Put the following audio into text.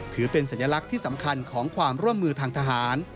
ถือเป็นสัญลักษณ์ที่สำคัญของความร่วมมือทางทหาร